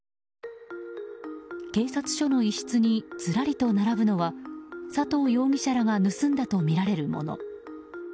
警察署の一室にずらりと並ぶのは佐藤容疑者らが盗んだとみられるもの。